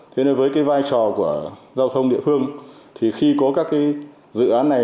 thế nên với cái vai trò của giao thông địa phương thì khi có các cái dự án này